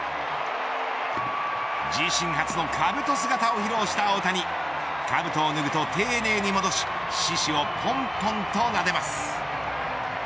自身初のかぶと姿を披露した大谷かぶとを脱ぐと丁寧に戻し獅子をぽんぽんとなでます。